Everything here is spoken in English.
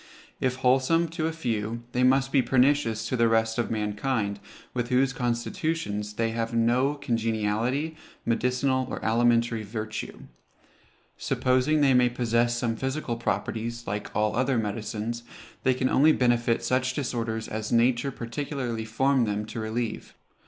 If wholesome to a few, they must be pernicious to the rest of mankind, with whose constitutions they have no congeniality, medicinal or alimentary virtue. Supposing they may possess some physical properties, like all other medicines, they can only benefit such disorders as nature particularly formed them to relieve.